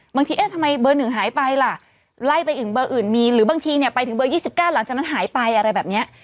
บางทีเอ๊ะทำไมเบอร์๑หายไปล่ะไล่ไปอีกเบอร์อื่นมีหรือบางทีเนี่ยไปถึงเบอร์๒๙หลังจากนั้นหายไปอะไรแบบนี้